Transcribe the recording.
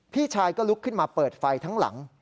พี่ชายก็ลุกขึ้นมาเปิดไฟทั้งหลัง